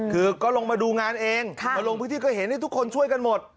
คือก็ลงมาดูงานเองมาลงพื้นที่ก็เห็นทุกคนช่วยกันหมด